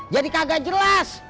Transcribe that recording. jadi kagak jelas